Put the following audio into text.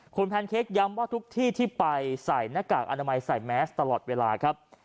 คุณแพนเค้กย้ำว่าทุกที่ที่ไปใส่หน้ากากอนามัยใส่แมสตลอดเวลาครับ